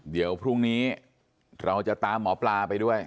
เดี๋ยวพรุ่งนี้เราจะตามหมอปลาไปด้วย